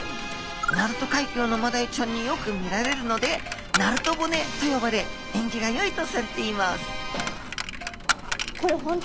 鳴門海峡のマダイちゃんによく見られるので鳴門骨と呼ばれ縁起がよいとされています